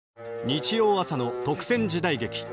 日曜朝の「特選時代劇」。